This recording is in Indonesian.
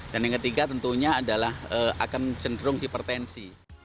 dan yang ketiga tentunya adalah akan cenderung hipertensi